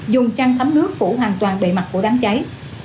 dùng chăn thấm nước phủ hoàn toàn bề mặt của đám cháy